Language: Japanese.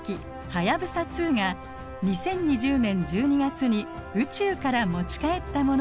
「はやぶさ２」が２０２０年１２月に宇宙から持ち帰ったものの一部です。